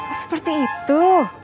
oh seperti itu